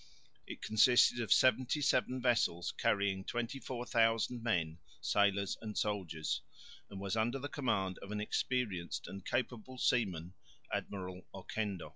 It consisted of seventy seven vessels carrying 24,000 men, sailors and soldiers, and was under the command of an experienced and capable seaman, Admiral Oquendo.